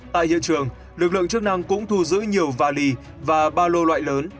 tại hiện trường lực lượng chức năng cũng thu giữ nhiều vali và ba lô loại lớn